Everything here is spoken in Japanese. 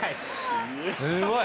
すごい。